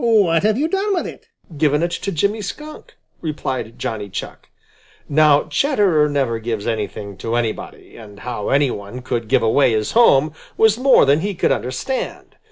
"What have you done with it?" "Given it to Jimmy Skunk," replied Johnny Chuck. Now Chatterer never gives anything to anybody, and how any one could give away his home was more than he could understand.